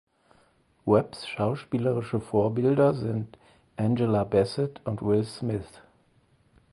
Webbs schauspielerische Vorbilder sind Angela Bassett und Will Smith.